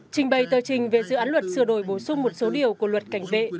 trình bày tờ trình về dự án luật sửa đổi bổ sung một số điều của luật cảnh vệ